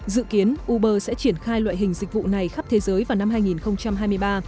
dự kiến uber sẽ triển khai loại hình dịch vụ này khắp thế giới vào năm hai nghìn hai mươi ba